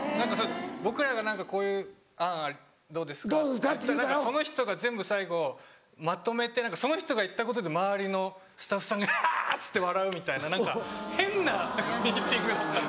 僕らが何か「こういう案どうですか？」って言ったらその人が全部最後まとめてその人が言ったことで周りのスタッフさんがハハ！って笑うみたいな何か変なミーティングだったんです。